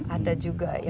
ada juga yang